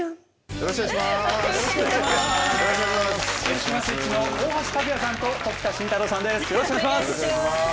よろしくお願いします。